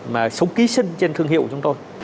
mà súng ký sinh trên thương hiệu của chúng tôi